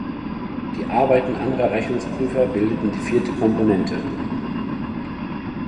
Die Arbeiten anderer Rechnungsprüfer bildeten die vierte Komponente.